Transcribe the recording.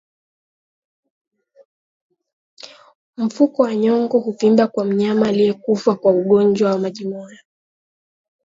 Mfuko wa nyongo huvimba kwa mnyama aliyekufa kwa ugonjwa wa majimoyo